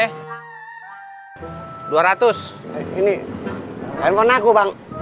ini handphone aku bang